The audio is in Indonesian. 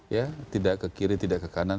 ya tidak ke kiri tidak ke kanan